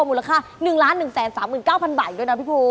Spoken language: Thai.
มูลค่า๑๑๓๙๐๐๐บาทด้วยนะพี่ภูมิ